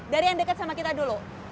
dari yang dekat sama kita dulu